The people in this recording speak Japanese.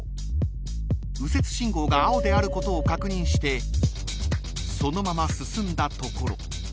［右折信号が青であることを確認してそのまま進んだところ